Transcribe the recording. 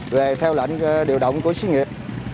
về theo lệnh điều động của sứ nghiệp